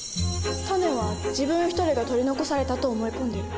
タネは自分一人が取り残されたと思い込んでいる。